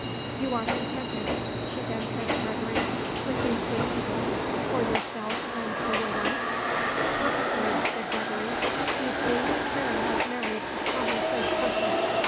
"You are contented," she then said to Gregory, "with these good people; for yourself and for your wife?" "Perfectly," said Gregory. "You see, Karen has married a commonplace person."